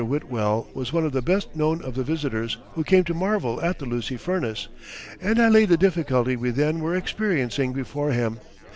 Whitwell was one of the best known of the visitors who came to marvel at the Lucy Furnace, and I laid the difficulty we then were experiencing before him.